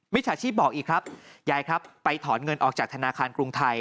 ฉาชีพบอกอีกครับยายครับไปถอนเงินออกจากธนาคารกรุงไทย